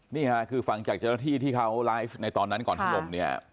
นี่ค่ะคือฟังจากเจ้าหน้าที่ที่เขาไลฟ์ในตอนนั้นก่อนถล่มเนี่ย